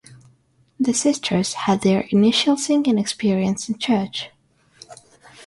The sisters had their initial singing experience in church.